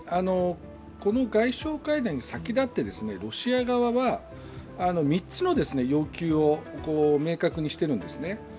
この外相会談に先立ってロシア側は３つの要求を明確にしているんですね。